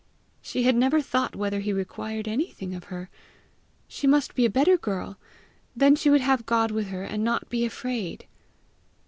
She had never thought whether he required anything of her! She must be a better girl! Then she would have God with her, and not be afraid!